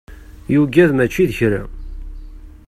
Yugad mačči d kra.